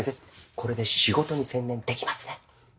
これで仕事に専念できますね。